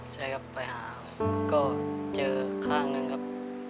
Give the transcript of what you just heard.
ใช่ครับไปหาก็เจอข้างหนึ่งครับ